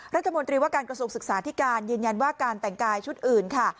รัฐมนตรีว่าการกระทรวงศึกษาที่การยืนยันว่าการแต่งกายชุดอื่นค่ะ